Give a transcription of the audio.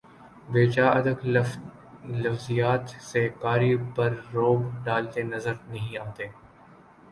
بے جا ادق لفظیات سے قاری پر رعب ڈالتے نظر نہیں آتے